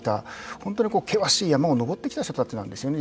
本当に険しい山を登ってきた人たちなんですね。